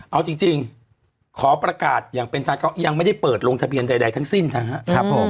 เอาจริงขอประกาศอย่างเป็นราศกรรมยังไม่ได้เปิดลงทะเบียนใดทั้งศิ้นฮะ